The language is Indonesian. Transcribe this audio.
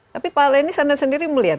tapi pak lenis anda sendiri melihat